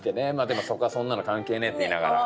でもそこは「そんなの関係ねぇ」って言いながら。